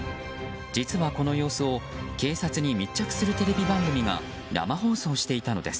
実は、この様子を警察に密着するテレビ番組が生放送していたのです。